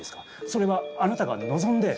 それはあなたが望んで。